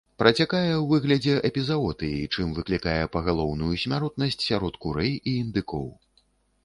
Працякае ў выглядзе эпізаотыі, чым выклікае пагалоўную смяротнасць сярод курэй і індыкоў.